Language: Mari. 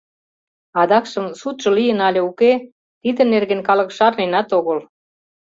Адакшым судшо лийын але уке, тидын нерген калык шарненат огыл.